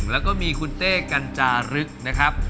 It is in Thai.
แล้วก็มีคุณเต้กัญจารึกนะครับ